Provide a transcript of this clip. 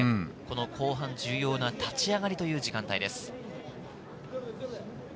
後半重要な立ち上がりという時間帯です。